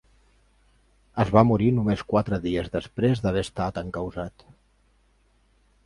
Es va morir només quatre dies després d’haver estat encausat.